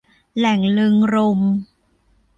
แหล่งเริงรมย์